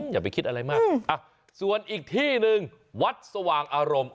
อย่าไปคิดอะไรมากส่วนอีกที่หนึ่งวัดสว่างอารมณ์